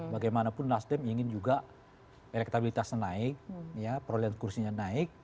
bagaimanapun nasdem ingin juga elektabilitasnya naik perolehan kursinya naik